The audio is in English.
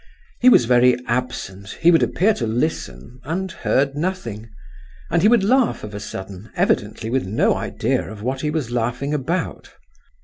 He was very absent; he would appear to listen—and heard nothing; and he would laugh of a sudden, evidently with no idea of what he was laughing about.